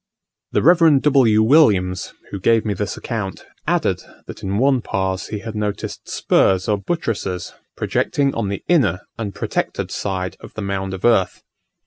The Rev. W. Williams, who gave me this account, added, that in one Pas he had noticed spurs or buttresses projecting on the inner and protected side of the mound of earth.